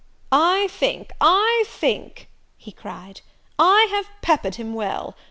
"I think, I think," he cried, "I have peppered him well!